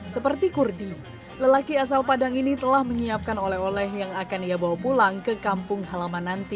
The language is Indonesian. seperti kurdi lelaki asal padang ini telah menyiapkan oleh oleh yang akan ia bawa pulang ke kampung halaman nanti